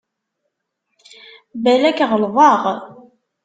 Balak ɣelḍeɣ.